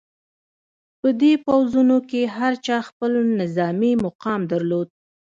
په دې پوځونو کې هر چا خپل نظامي مقام درلود.